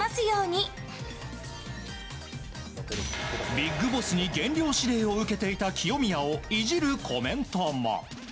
ビッグボスに減量指令を受けていた清宮をいじるコメントも。